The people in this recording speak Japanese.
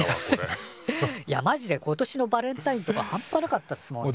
ハハッいやマジで今年のバレンタインとか半ぱなかったっすもんね。